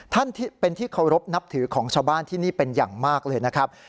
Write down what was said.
ที่เป็นที่เคารพนับถือของชาวบ้านที่นี่เป็นอย่างมากเลยนะครับ